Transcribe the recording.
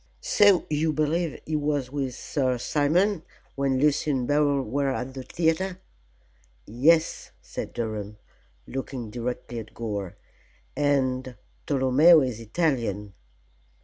"So you believe he was with Sir Simon when Lucy and Beryl were at the theatre?" "Yes," said Durham, looking directly at Gore, "and Tolomeo is Italian."